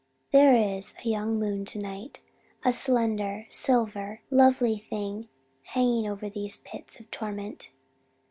"There is a young moon tonight a slender, silver, lovely thing hanging over these pits of torment.